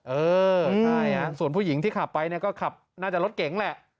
เออใช่ส่วนผู้หญิงที่ขับไปเนี่ยก็ขับน่าจะรถเก๋งแหละ